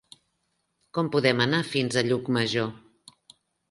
Com podem anar fins a Llucmajor?